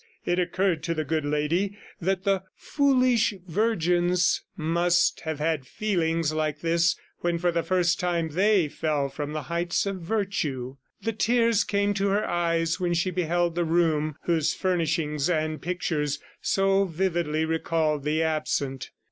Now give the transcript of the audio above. It occurred to the good lady that the "foolish virgins" must have had feelings like this when for the first time they fell from the heights of virtue. The tears came to her eyes when she beheld the room whose furnishings and pictures so vividly recalled the absent.